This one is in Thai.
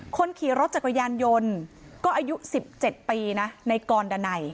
คนขี่รถจักรยานยนต์ก็อายุสิบเจ็ดปีนะในกรดันไหน